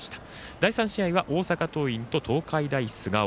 第３試合は大阪桐蔭と東海大菅生。